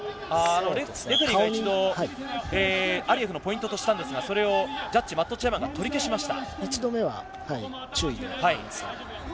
レフェリーが一度アリエフのポイントとしましたがそれをジャッジマットチェアマンが取り消しました。